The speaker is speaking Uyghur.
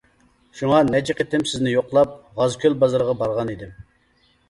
شۇڭا نەچچە قېتىم سىزنى يوقلاپ غازكۆل بازىرىغا بارغانىدىم.